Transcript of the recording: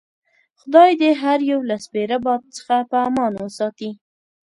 خدای دې هر یو له سپیره باد څخه په امان وساتي.